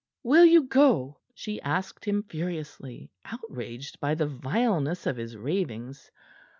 "Will you go?" she asked him furiously, outraged by the vileness of his ravings.